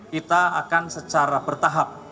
kita akan secara bertahap